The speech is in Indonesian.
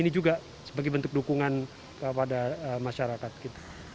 ini juga sebagai bentuk dukungan kepada masyarakat kita